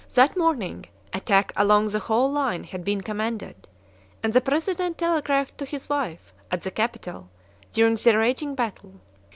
That morning, attack along the whole line had been commanded, and the President telegraphed to his wife, at the capital, during the raging battle.